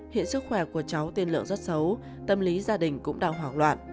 hiện sức khỏe của cháu tiên lượng rất xấu tâm lý gia đình cũng đang hoảng loạn